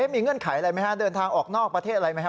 มีเงื่อนไขอะไรไหมฮะเดินทางออกนอกประเทศอะไรไหมครับ